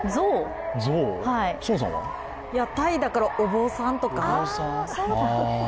タイだからお坊さんとか？